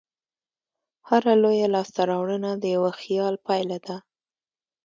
هره لویه لاستهراوړنه د یوه خیال پایله ده.